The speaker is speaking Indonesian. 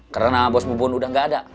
karena bosmu bon udah nggak ada